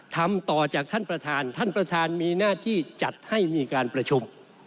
ทำต่อจากท่านประธานท่านประธานมีหน้าที่จัดให้มีการประชุม